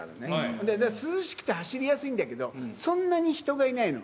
それで涼しくて走りやすいんだけど、そんなに人がいないの。